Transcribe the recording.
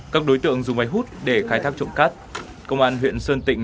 các đối tượng dùng máy hút để khai thác trộm cát công an huyện sơn tịnh